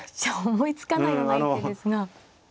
思いつかないような一手ですが。